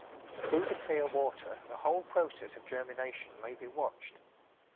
Through the clear water the whole process of germination may be watched.